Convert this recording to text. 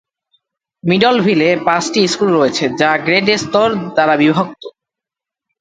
মিডলভিলে পাঁচটি স্কুল রয়েছে, যা গ্রেড স্তর দ্বারা বিভক্ত।